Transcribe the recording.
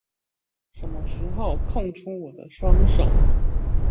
什麼時候空出我的雙手